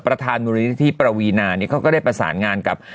ประธานมุมณีนาที่ประวีนานี้เขาก็ได้ประสานงานกับ